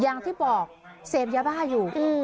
อย่างที่บอกเสพยาบ้าอยู่